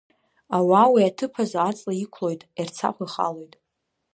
Ауаа уи аҭыԥ азы аҵла иқәлоит, Ерцахә ихалоит…